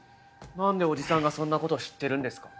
何で叔父さんがそんなこと知ってるんですか？